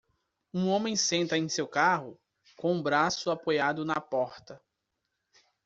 Um homem senta em seu carro? com o braço apoiado na porta.